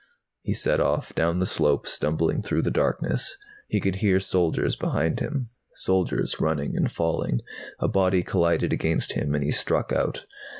He set off, down the slope, stumbling through the darkness. He could hear soldiers behind him, soldiers running and falling. A body collided against him and he struck out.